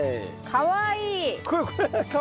かわいい？